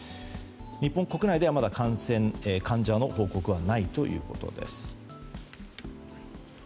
日本国内ではまだ患者の報告はないということです。